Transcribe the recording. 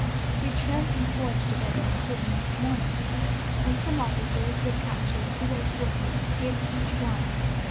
We tramped and foraged together until the next morning, when some officers who had captured two old horses gave us each one.